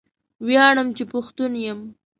ویاړم چې پښتون یم